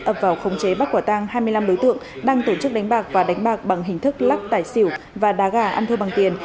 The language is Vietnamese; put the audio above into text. ập vào khống chế bắt quả tang hai mươi năm đối tượng đang tổ chức đánh bạc và đánh bạc bằng hình thức lắc tài xỉu và đá gà ăn thơ bằng tiền